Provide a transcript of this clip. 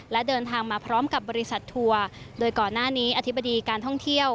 และเดินทางมาพร้อมกับบริษัททัวร์โดยก่อนหน้านี้อธิบดีการท่องเที่ยว